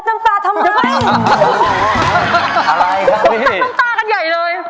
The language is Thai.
ต้องตั้งตากันใหญ่เลย